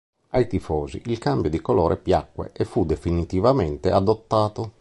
Ai tifosi il cambio di colore piacque e fu definitivamente adottato.